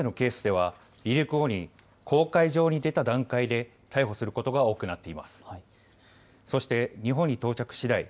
これまでのケースでは離陸後に公海上に出た段階で逮捕することが多くなっています。